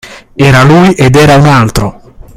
Era lui ed era un altro!